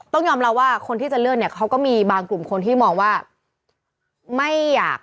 ต้องยอมรับว่าคนที่จะเลื่อนเนี่ยเขาก็มีบางกลุ่มคนที่มองว่าไม่อยาก